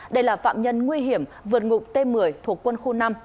đây là phạm nhân nguy hiểm vượt ngục t một mươi thuộc quân khu năm